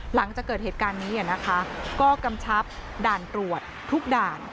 หลังจากเกิดเหตุการณ์นี้นะคะก็กำชับด่านตรวจทุกด่าน